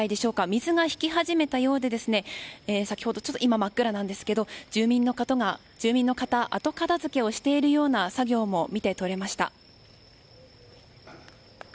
水が引き始めたようで今は真っ暗なんですが住民の方が後片付けをしているような作業も見て取れました。